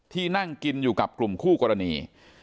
นั่งกินอยู่กับกลุ่มคู่กรณี